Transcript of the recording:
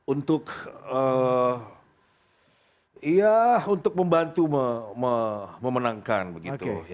untuk ya untuk membantu memenangkan begitu